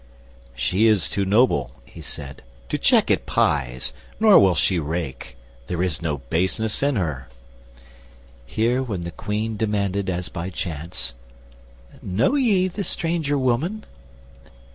"She is too noble" he said "to check at pies, Nor will she rake: there is no baseness in her." Here when the Queen demanded as by chance "Know ye the stranger woman?"